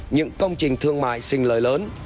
những công trình thương mại xình lợi lớn